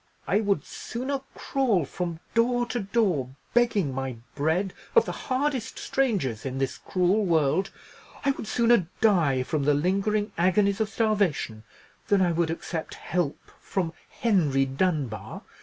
"I would sooner crawl from door to door, begging my bread of the hardest strangers in this cruel world—I would sooner die from the lingering agonies of starvation—than I would accept help from Henry Dunbar.